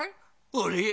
あれ？